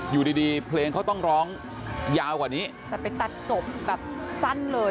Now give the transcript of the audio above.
อยู่ดีดีเพลงเขาต้องร้องยาวกว่านี้แต่ไปตัดจบแบบสั้นเลย